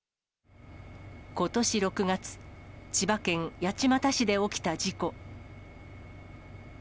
ことし６月、千葉県八街市で起きた事故。